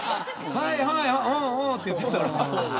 はいはい、うんうんって言ってたら。